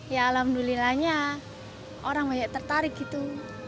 ya alhamdulillahnya orang banyak tertarik gitu